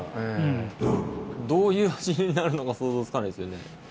どういう味になるのか想像つかないですよね。